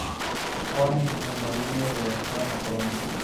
Joanna y su marido regresaron a Polonia.